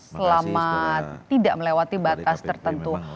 selama tidak melewati batas tertentu